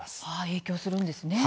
影響するんですね。